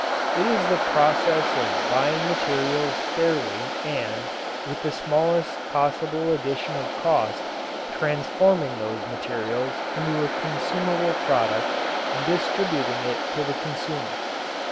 It is the process of buying materials fairly and, with the smallest possible addition of cost, transforming those materials into a consumable product and distributing it to the consumer.